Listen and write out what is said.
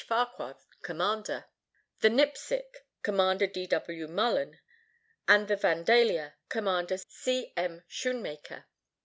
Farquhar, Commander: the Nipsic, Commander D. W. Mullan; and the Vandalia, Commander C. M. Schoonmaker.